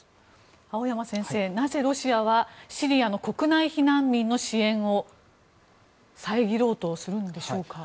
青山先生、なぜロシアはシリアの国内避難民の支援を遮ろうとするんでしょうか。